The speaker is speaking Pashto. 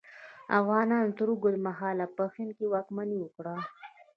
افغانانو تر اوږده مهال پر هند واکمني وکړه.